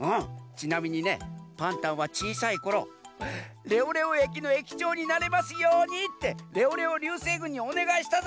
ちなみにねパンタンはちいさいころ「レオレオ駅の駅長になれますように」ってレオレオりゅうせいぐんにおねがいしたざんす！